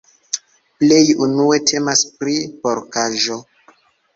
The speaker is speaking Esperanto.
Plej unue temas pri porkaĵo.